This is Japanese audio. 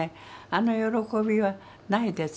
あの喜びはないですね。